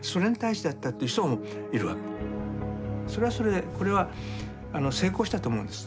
それはそれでこれは成功したと思うんです。